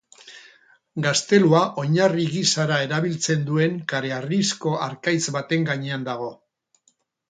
Gaztelua oinarri gisara erabiltzen duen kareharrizko harkaitz baten gainean dago.